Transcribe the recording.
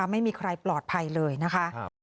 ไม่มีใครปลอดภัยเลยนะคะ